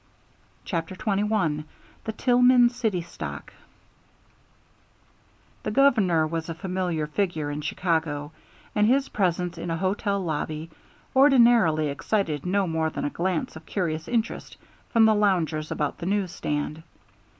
CHAPTER XXI THE TILLMAN CITY STOCK The Governor was a familiar figure in Chicago, and his presence in a hotel lobby ordinarily excited no more than a glance of curious interest from the loungers about the news stand.